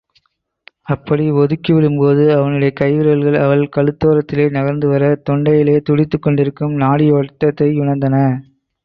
அப்படி ஒதுக்கிவிடும் போது அவனுடைய கைவிரல்கள் அவள் கழுத்தோரத்திலே நகர்ந்துவர, தொண்டையிலே துடித்துக் கொண்டிருக்கும் நாடியோட்டத்தை யுணர்ந்தன.